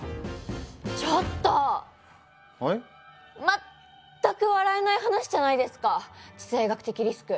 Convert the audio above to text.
全く笑えない話じゃないですか地政学的リスク！